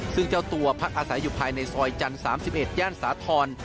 ซึ่งเจ้าตัวพักอาศัยอยู่ภายในซอยจันทร์๓๑ย่านสาธรณ์